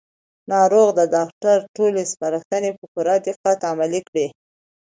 ناروغ د ډاکټر ټولې سپارښتنې په پوره دقت عملي کړې